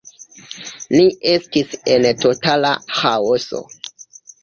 Ni estis en totala ĥaoso.